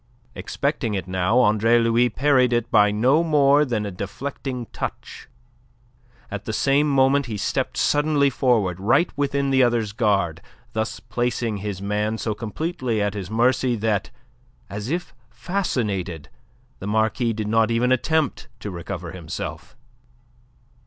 Expecting it now, Andre Louis parried it by no more than a deflecting touch. At the same moment he stepped suddenly forward, right within the other's guard, thus placing his man so completely at his mercy that, as if fascinated, the Marquis did not even attempt to recover himself.